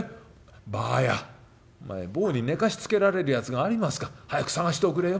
ばあやお前坊に寝かしつけられるやつがありますか早く捜しておくれよ。